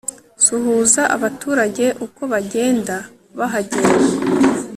suhuza abaturage uko bagenda bahagera